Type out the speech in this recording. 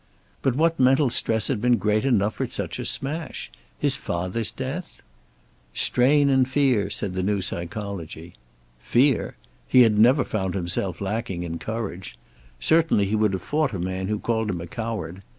But what mental stress had been great enough for such a smash? His father's death? Strain and fear, said the new psychology. Fear? He had never found himself lacking in courage. Certainly he would have fought a man who called him a coward.